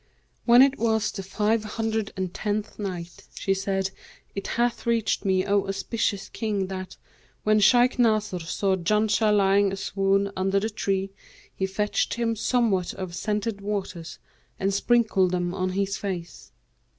When it was the Five Hundred and Tenth Night, She said, It hath reached me, O auspicious King, that "when Shaykh Nasr saw Janshah lying a swoon under the tree he fetched him somewhat of scented waters and sprinkled them on his face.